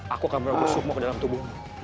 aku akan merugus semua ke dalam tubuhmu